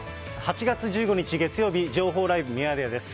８月１５日月曜日、情報ライブミヤネ屋です。